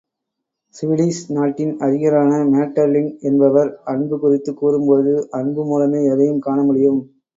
Swedish நாட்டின் அறிஞரான matter link என்பவர், அன்பு குறித்து கூறும்போது, அன்பு மூலமே எதையும் காண முடியும்.